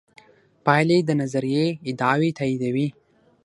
پایلې د نظریې ادعاوې تاییدوي.